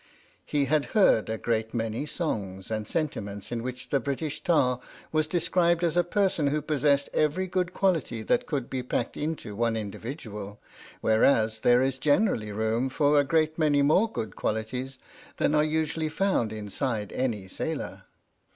He had heard a great many songs 5 H.M.S. "PINAFORE" and sentiments in which a British Tar was de scribed as a person who possessed every good quality that could be packed into one individual, whereas there is generally room for a great many more good qualities than are usually found inside any sailor.